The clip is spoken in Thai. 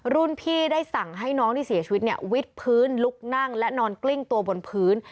รุ่นพี่ได้สั่งให้น้องที่เสียชีวิตเนี่ยวิทย์พื้นลุกนั่งและนอนกลิ้งตัวบนพื้น